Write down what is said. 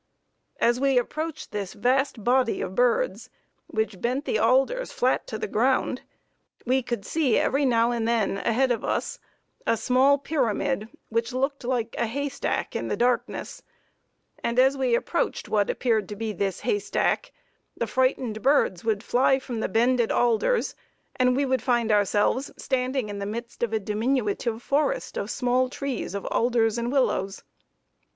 As we approached this vast body of birds, which bent the alders flat to the ground, we could see every now and then ahead of us a small pyramid which looked like a haystack in the darkness, and as we approached what appeared to be this haystack, the frightened birds would fly from the bended alders, and we would find ourselves standing in the midst of a diminutive forest of small trees of alders and willows.